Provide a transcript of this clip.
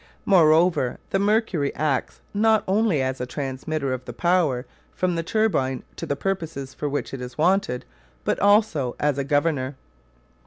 Moreover, the mercury acts not only as a transmitter of the power from the turbine to the purpose for which it is wanted, but also as a governor.